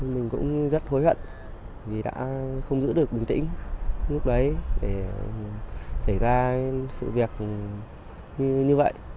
mình cũng rất hối hận vì đã không giữ được bình tĩnh lúc đấy để xảy ra sự việc như vậy